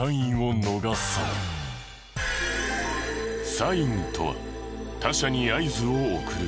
サインとは他者に合図を送る事。